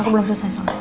aku belum susah soalnya